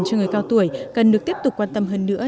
cho người cao tuổi cần được tiếp tục quan tâm hơn nữa